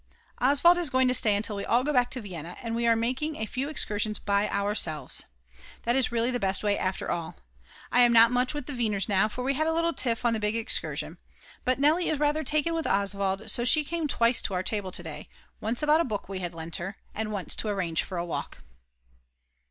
Oswald is going to stay until we all go back to Vienna, and we are making a few excursions by ourselves. That is really the best way after all. I am not much with the Weiners now, for we had a little tiff on the big excursion. But Nelly is rather taken with Oswald, so she came twice to our table to day, once about a book we had lent her, and once to arrange for a walk.